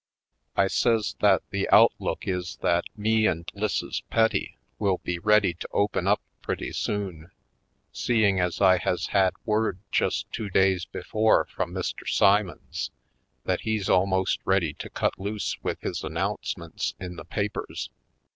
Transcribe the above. I says that the out look is that me and 'Lisses Petty will be ready to open up pretty soon, seeing as I has had word just two days before from Mr. Simons that he's almost ready to cut loose with his announcements in the papers.